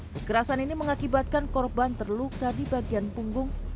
kekerasan ini mengakibatkan korban terluka di bagian punggung